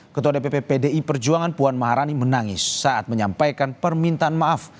ketua dpp pdi perjuangan puan maharani menangis saat menyampaikan permintaan maaf